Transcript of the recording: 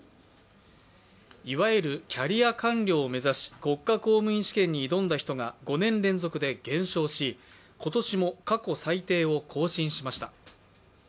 いわゆるキャリア官僚を目指し国家公務員法試験に臨んだ人が５年連続で減少し今年も過去最低を更新しました。